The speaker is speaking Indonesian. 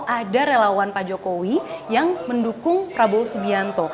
ada relawan pak jokowi yang mendukung prabowo subianto